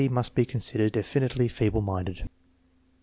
must be considered definitely feeble minded.